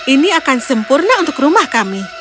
ini akan sempurna untuk rumah kami